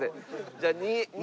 じゃあ２。